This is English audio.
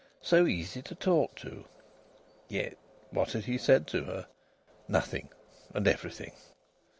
So easy to talk to! (Yet what had he said to her? Nothing and everything.)